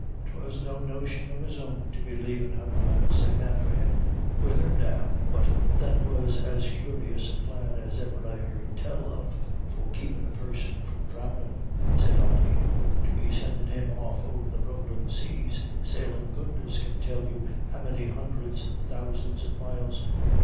'Twas no notion of his own to be lavin' her, I'll say that for him." "Whethen now, but that was as curious a plan as ever I heard tell of for keepin' a person from dhrowndin'," said Ody; "to be sendin' him off over the rowlin' says, sailin' goodness can tell you how many hunderds and tousands of miles.